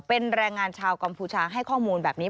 เป็นแรงงานชาวกัมพูชาให้ข้อมูลแบบนี้